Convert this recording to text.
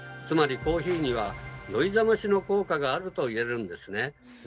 つまりコーヒーには酔いざましの効果があると言えるんですね。